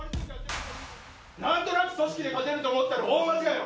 なんとなく組織として勝てると思ったら大間違いだよ。